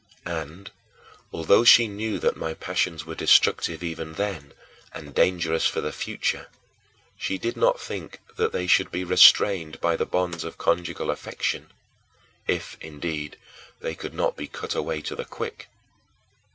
And although she knew that my passions were destructive even then and dangerous for the future, she did not think they should be restrained by the bonds of conjugal affection if, indeed, they could not be cut away to the quick.